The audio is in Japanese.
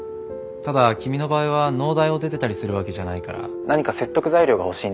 ただ君の場合は農大を出てたりするわけじゃないから何か説得材料が欲しいんだよね。